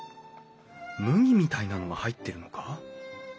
麦みたいなのが入ってるのか？